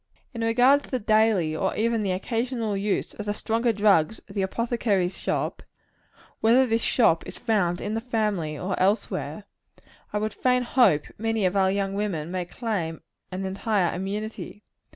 In regard to the daily, or even the occasional use of the stronger drugs of the apothecary's shop whether this shop is found in the family or elsewhere I would fain hope many of our young women may claim an entire immunity.